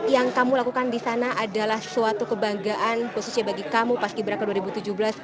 yang kamu lakukan di sana adalah suatu kebanggaan khususnya bagi kamu paski beraka dua ribu tujuh belas